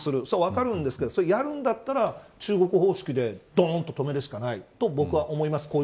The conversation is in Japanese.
それは分かるんですがやるんだったら中国方式でどんと止めるしかないと僕は思います。